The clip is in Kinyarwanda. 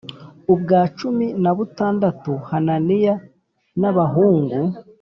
Ubwa cumi na butandatu hananiya n abahungu